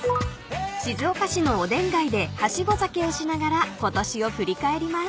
［静岡市のおでん街ではしご酒をしながらことしを振り返ります］